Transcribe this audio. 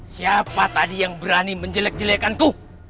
siapa tadi yang berani menjelek jelekanku